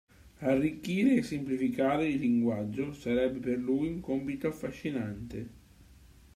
Arricchire e semplificare il linguaggio sarebbe per lui un compito affascinante.